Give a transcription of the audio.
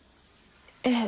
ええ。